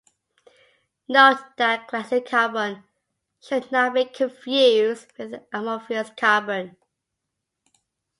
Note that glassy carbon should not be confused with amorphous carbon.